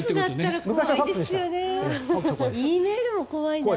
Ｅメールも怖いな。